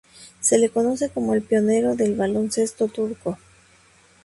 Se le conoce como el pionero del baloncesto turco.